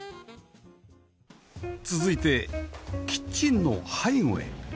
続いてキッチンの背後へ